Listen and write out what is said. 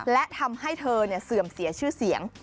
และทำให้เธอเสื่อมเสียชื่อเสียง